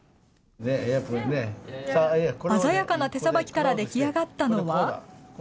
鮮やかな手さばきから出来上がったのは。